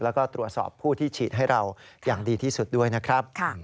แล้วก็ตรวจสอบผู้ที่ฉีดให้เราอย่างดีที่สุดด้วยนะครับ